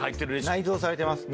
内蔵されてます。